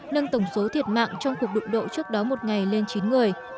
nâng tổng số thiệt mạng trong cuộc đụng độ trước đó một ngày lên chín người